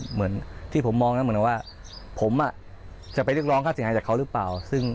เหมือนที่ผมมองนั้นเหมือนว่าผมอะจะไปรึกร้องฆ่าสินใครจากเขาหรือเปล่า